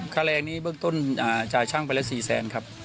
ค่าแรงนี้เบื้องต้นจ่ายช่างไปละ๔แสนครับ